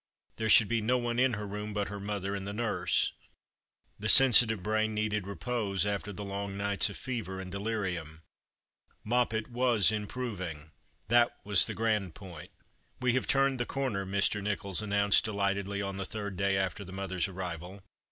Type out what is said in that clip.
There should be no one in her room but her mother and the nurse. The sensitive brain needed repose, after the long nights of fever and delirium. 3Ioppet was improving ; that was the grand point. " We have turned the corner," Mr. Nicholls announced delightedly on the third day after the mother's arrival.